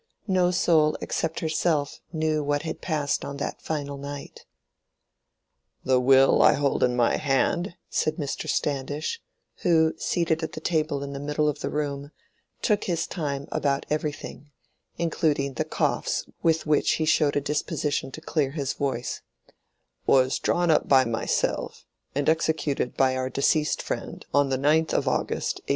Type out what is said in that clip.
No soul except herself knew what had passed on that final night. "The will I hold in my hand," said Mr. Standish, who, seated at the table in the middle of the room, took his time about everything, including the coughs with which he showed a disposition to clear his voice, "was drawn up by myself and executed by our deceased friend on the 9th of August, 1825.